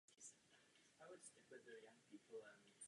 Také k ní neexistuje žádná síla reakce.